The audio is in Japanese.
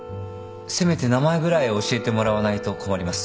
せめて名前ぐらい教えてもらわないと困ります。